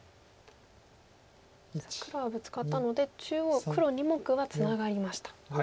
黒はブツカったので中央黒２目はツナがりました。